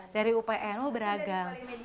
dari upn oh beragam